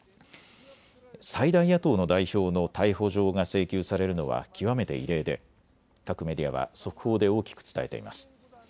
最大野党の代表の逮捕状が請求されるのは極めて異例で各メディアは速報で大きく伝えています。